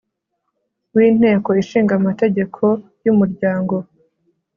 w Inteko Ishinga Amategeko y Umuryango